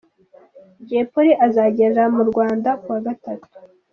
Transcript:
Jay Polly azagera mu Rwanda kuwa gatatu.